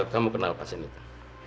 kamu kenal pasien itu